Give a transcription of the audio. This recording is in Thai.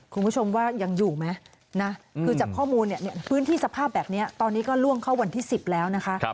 คุณผู้ชมว่ายังอยู่ไหมนะคือจากข้อมูลเนี่ยพื้นที่สภาพแบบนี้ตอนนี้ก็ล่วงเข้าวันที่๑๐แล้วนะคะ